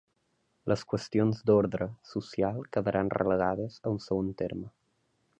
Les qüestions d'ordre social quedaran relegades a un segon terme.